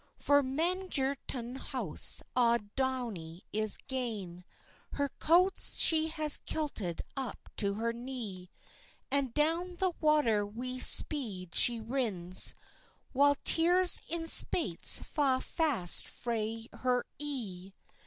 For Mangerton house auld Downie is gane, Her coats she has kilted up to her knee; And down the water wi speed she rins, While tears in spaits fa fast frae her eie.